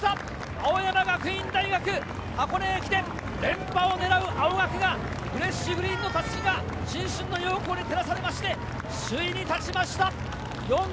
青山学院大学、箱根駅伝の連覇を狙う青学が、フレッシュグリーンの襷が新春の陽光に照らされて首位に立ちました。